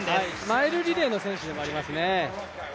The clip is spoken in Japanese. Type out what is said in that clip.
マイルリレーの選手でもありますね。